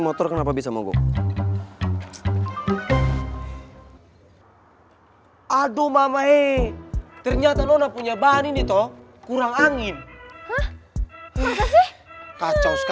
motif bensin nyaris